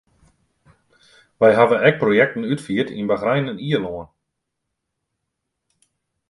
Wy hawwe ek projekten útfierd yn Bachrein en Ierlân.